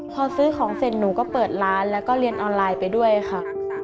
พอซื้อของเสร็จหนูก็เปิดร้านแล้วก็เรียนออนไลน์ไปด้วยค่ะ